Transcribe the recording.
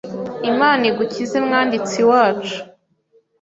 Imana igukize mwanditsi wacu